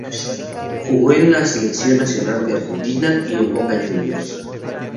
Jugó en la Selección nacional de Argentina y en Boca Juniors.